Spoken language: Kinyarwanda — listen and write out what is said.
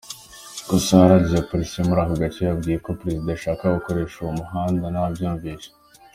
gusa uhagarariye polisi muri aka gace yambwiye ko perezida ashaka gukoresha uwo muhanda, nabyumvise.